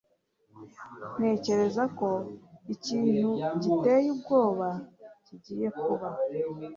Ntekereza ko ikintu giteye ubwoba kigiye kuba.